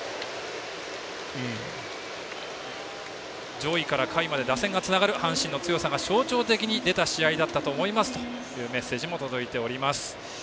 上位から下位まで打線がつながる阪神の強さが象徴的に出た試合だったと思いますというメッセージも届いています。